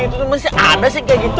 itu tuh masih ada sih kayak gitu